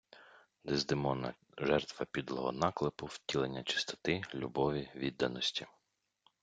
Дездемона - жертва підлого наклепу, втілення чистоти, любові, відданості